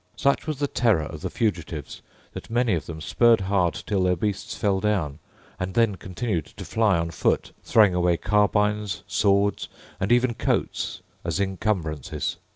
Such was the terror of the fugitives that many of them spurred hard till their beasts fell down, and then continued to fly on foot, throwing away carbines, swords, and even coats as incumbrances.